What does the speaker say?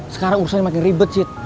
sekarang urusan makin ribet sid